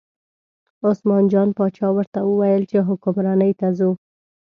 عثمان جان باچا ورته وویل چې حکمرانۍ ته ځو.